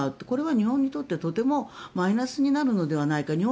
これは日本にとってとてもマイナスになるのではないか。